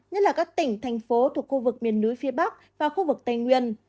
nhất là các tỉnh thành phố thuộc khu vực miền núi phía bắc và khu vực tây nguyên